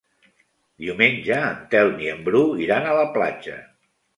Diumenge en Telm i en Bru iran a la platja.